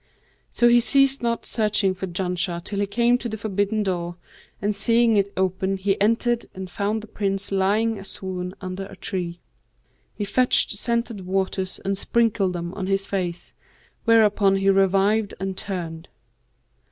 So he ceased not searching for Janshah till he came to the forbidden door and seeing it open he entered and found the Prince lying a swoon under a tree. He fetched scented waters and sprinkled them on his face, whereupon he revived and turned."